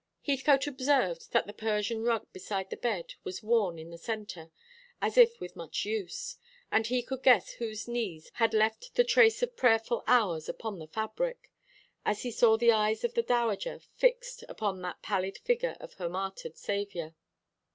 Heathcote observed that the Persian rug beside the bed was worn in the centre, as if with much use, and he could guess whose knees had left the trace of prayerful hours upon the fabric, as he saw the eyes of the Dowager fixed upon that pallid figure of her martyred Saviour.